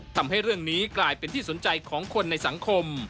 ทำให้เรื่องนี้กลายเป็นที่สนใจของคนในสังคม